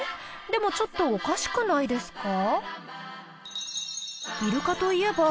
でもちょっとおかしくないですか？